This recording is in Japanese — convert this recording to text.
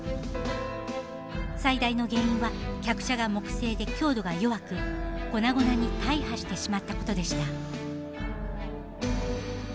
最大の原因は客車が木製で強度が弱く粉々に大破してしまったことでした。